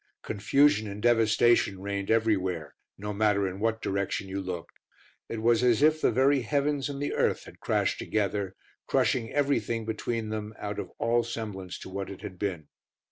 Confusion and devastation reigned everywhere, no matter in what direction you looked. It was as if the very heavens and the earth had crashed together, crushing everything between them out of all semblance to what it had been.